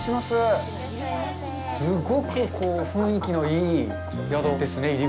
すごく雰囲気のいい宿ですね